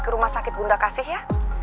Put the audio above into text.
ke rumah sakit bunda kasih ya